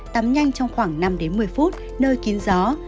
tắm nhanh trong khoảng năm đến một mươi phút nơi kín gió